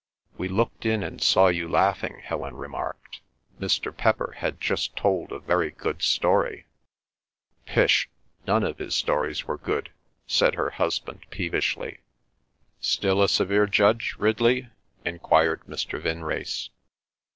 "We looked in and saw you laughing," Helen remarked. "Mr. Pepper had just told a very good story." "Pish. None of the stories were good," said her husband peevishly. "Still a severe judge, Ridley?" enquired Mr. Vinrace.